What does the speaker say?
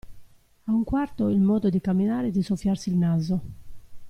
A un quarto il modo di camminare e di soffiarsi il naso.